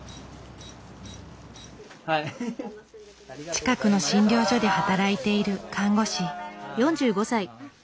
近くの診療所で働いている看護師。